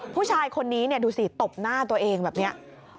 ผู้ชายคนนี้ดูสิตบหน้าตัวเองแบบนี้